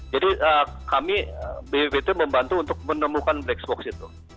jadi kami bppt membantu untuk menemukan black box itu